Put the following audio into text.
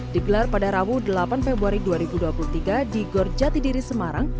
digelar pada rabu delapan februari dua ribu dua puluh tiga di gorjati diri semarang